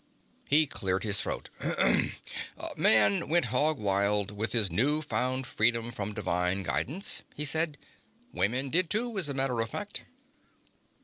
He cleared his throat. "Man went hog wild with his new found freedom from divine guidance," he said. "Woman did, too, as a matter of fact."